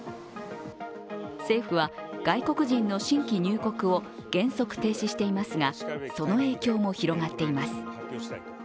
政府は外国人の新規入国を原則停止していますが、その影響も広がっています。